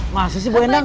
masa sih bu endang